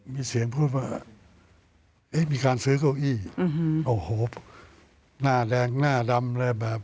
มีเสียงพูดว่าเอ๊ะมีการซื้อเก้าอี้โอ้โหหน้าแรงหน้าดำเลยแบบ